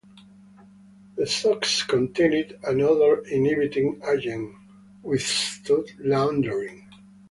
The socks contained an odor inhibiting agent withstood laundering.